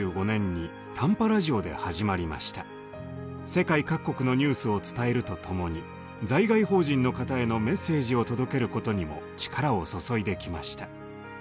世界各国のニュースを伝えると共に在外邦人の方へのメッセージを届けることにも力を注いできました。